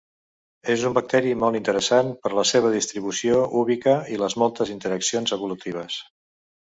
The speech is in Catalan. És un bacteri molt interessant per la seva distribució ubiqua i les moltes interaccions evolutives.